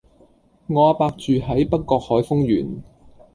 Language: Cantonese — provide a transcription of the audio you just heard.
我阿伯住喺北角海峰園